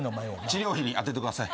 治療費に充ててください。